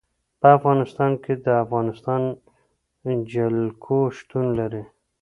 په افغانستان کې د افغانستان جلکو شتون لري.